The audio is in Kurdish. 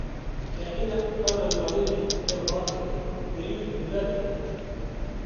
Teqîna kana madenê ya Bartinê, mirî û birîndar hene.